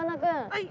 はい。